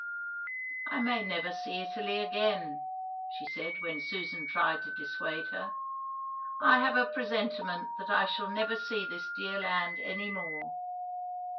"I may never see Italy again," she said, when Susan tried to dissuade her. "I have a presentiment that I shall never see this dear land any more."